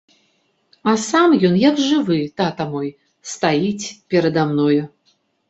А сам ён як жывы, тата мой, стаіць перада мною.